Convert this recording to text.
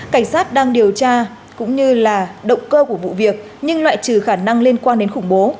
cảnh sát đang điều tra cũng như là động cơ của vụ việc nhưng loại trừ khả năng liên quan đến khủng bố